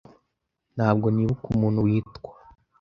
Ntabwo nibuka umuntu witwa .